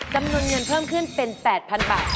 จำนวนเงินเพิ่มขึ้นเป็น๘๐๐๐บาท